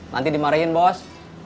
nanti dimarahin bos